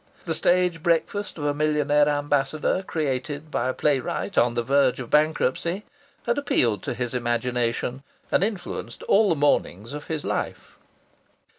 The stage breakfast of a millionaire ambassador created by a playwright on the verge of bankruptcy had appealed to his imagination and influenced all the mornings of his life.